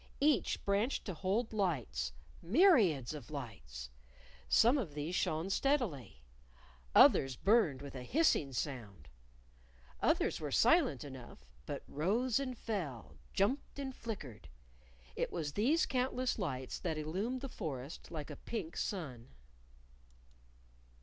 Each branched to hold lights myriads of lights! Some of these shone steadily; others burned with a hissing sound; others were silent enough, but rose and fell, jumped and flickered. It was these countless lights that illumed the forest like a pink sun.